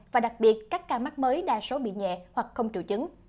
và đặc biệt các ca mắc mới đa số bị nhẹ hoặc không triệu chứng